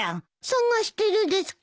探してるですか？